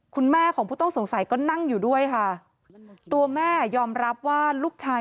คุณแม่ของผู้ต้องสงสัยก็นั่งอยู่ด้วยค่ะตัวแม่ยอมรับว่าลูกชาย